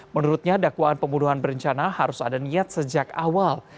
menurutnya dakwaan pembunuhan berencana harus ada niat sejak awal